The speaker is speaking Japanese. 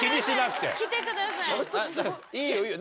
いいよいいよ